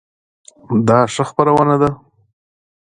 دا ښه خپرونه ده؟